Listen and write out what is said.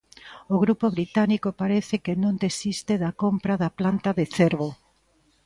O grupo británico parece que non desiste da compra da planta de Cervo.